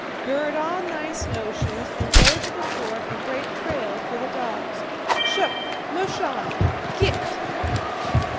Gird on thy snowshoes and go to the fore and break trail for the dogs. CHOOK! MUSH ON! Git!'"